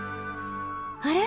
あれ？